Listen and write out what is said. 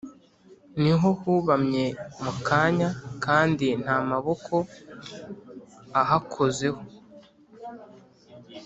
Ni ho hubamye mu kanya, Kandi nta maboko ahakozeho.